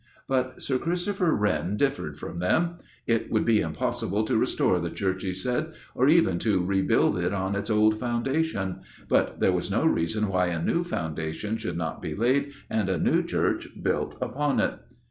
But Sir Christopher Wren differed from them. 'It would be impossible to restore the church,' he said, 'or even to rebuild it on its old foundation, but there was no reason why a new foundation should not be laid, and a new church built upon it.